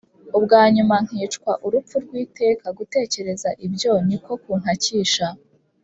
ubwa nyuma nkicwa urupfu rw’iteka Gutekereza ibyo niko kuntakisha